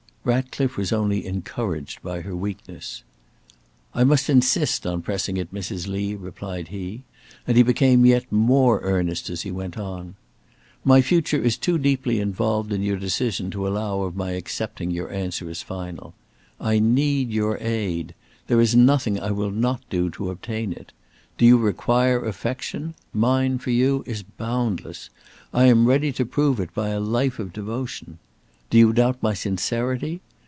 Ratcliffe was only encouraged by her weakness. "I must insist upon pressing it, Mrs. Lee," replied he, and he became yet more earnest as he went on; "my future is too deeply involved in your decision to allow of my accepting your answer as final. I need your aid. There is nothing I will not do to obtain it. Do you require affection? mine for you is boundless. I am ready to prove it by a life of devotion. Do you doubt my sincerity?